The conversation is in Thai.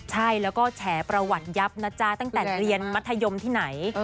ใช่แล้วก็แฉประวัติยับนะจ๊ะตั้งแต่เรียนมัธยมที่ไหน